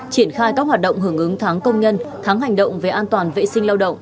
triển khai các hoạt động hưởng ứng tháng công nhân tháng hành động về an toàn vệ sinh lao động